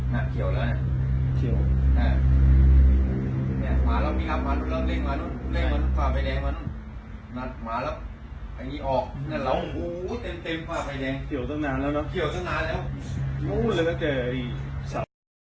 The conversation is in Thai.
นัดเขียวแล้วนะขวาไฟแดงมานึงนัดมาแล้วออกนั่นลองเต็มขวาไฟแดงเขียวตั้งนานแล้วนะ